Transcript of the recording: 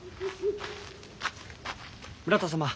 村田様